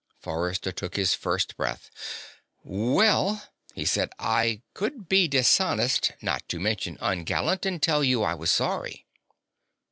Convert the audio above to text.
Forrester took his first breath. "Well," he said, "I could be dishonest, not to mention ungallant, and tell you I was sorry."